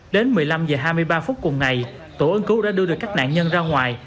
đến một mươi năm h hai mươi ba phút cùng ngày tổ ứng cứu đã đưa được các nạn nhân ra ngoài